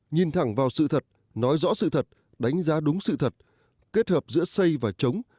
nhìn thẳng vào sự thật nói rõ sự thật đánh giá đúng sự thật kết hợp giữa xây và chống